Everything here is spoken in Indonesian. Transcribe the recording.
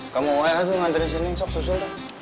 kamu awal aja ngantrin si neng sok susul tuh